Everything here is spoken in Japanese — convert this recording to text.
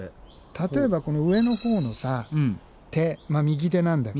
例えばこの上のほうのさ手右手なんだけど。